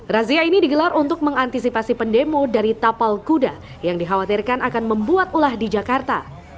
razia ini digelar untuk mengantisipasi pendemo dari tapal kuda yang dikhawatirkan akan membuat ulah di jakarta